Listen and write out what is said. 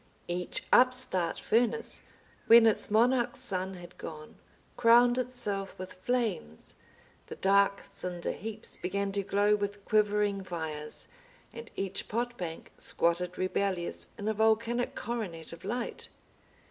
Each upstart furnace, when its monarch sun had gone, crowned itself with flames, the dark cinder heaps began to glow with quivering fires, and each pot bank squatted rebellious in a volcanic coronet of light.